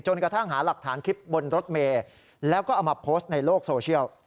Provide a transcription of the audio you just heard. กระทั่งหาหลักฐานคลิปบนรถเมย์แล้วก็เอามาโพสต์ในโลกโซเชียล